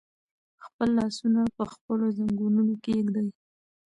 خپل لاسونه په خپلو زنګونونو کېږدئ.